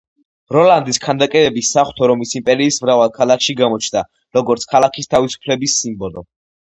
როლანდის ქანდაკებები საღვთო რომის იმპერიის მრავალ ქალაქში გამოჩნდა, როგორც ქალაქის თავისუფლების სიმბოლო.